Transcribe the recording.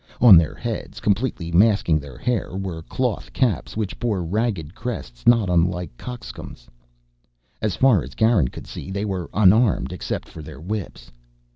On their heads, completely masking their hair, were cloth caps which bore ragged crests not unlike cockscombs. As far as Garin could see they were unarmed except for their whips.